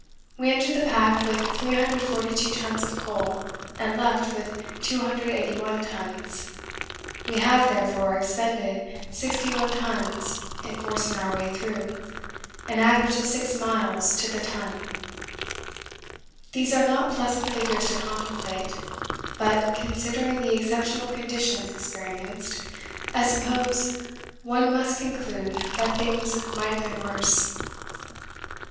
We entered the pack with 342 tons of coal and left with 281 tons; we have, therefore, expended 61 tons in forcing our way through an average of 6 miles to the ton. These are not pleasant figures to contemplate, but considering the exceptional conditions experienced I suppose one must conclude that things might have been worse.